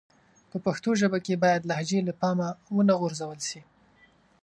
په پښتو ژبه کښي بايد لهجې له پامه و نه غورځول سي.